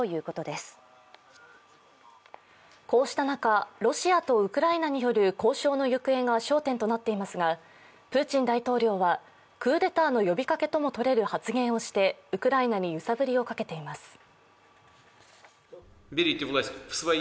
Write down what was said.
こうした中、ロシアとウクライナによる交渉の行方が焦点となっていますがプーチン大統領はクーデターの呼びかけともとれる発言をしてウクライナに揺さぶりをかけています。